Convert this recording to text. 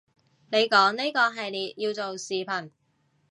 你講呢個系列要做視頻